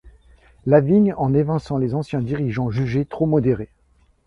Lavigne en évinçant les anciens dirigeants jugés trop modérés.